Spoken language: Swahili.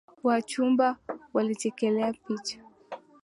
Wachumba walichekelea picha.